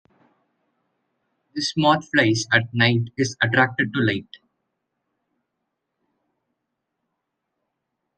This moth flies at night and is attracted to light.